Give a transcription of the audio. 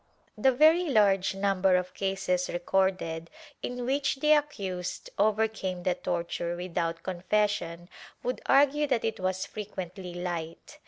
^ The very large number of cases recorded in which the accused overcame the torture without confession would argue that it was frequently light.